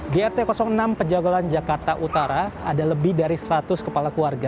di rt enam pejagalan jakarta utara ada lebih dari seratus kepala keluarga